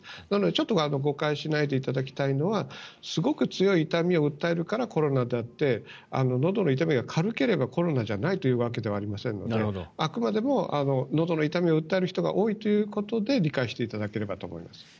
なので、ちょっと誤解しないでいただきたいのはすごく強い痛みを訴えるからコロナであってのどの痛みが軽ければコロナじゃないというわけではありませんのであくまでも、のどの痛みを訴える人が多いということで理解していただければと思います。